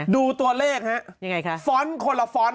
ดูตัวเลขฟอนต์คนละฟอนต์